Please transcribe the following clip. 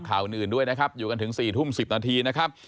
ข่าวอื่นด้วยนะครับอยู่กันถึง๔ทุ่ม๑๐นาทีนะครับ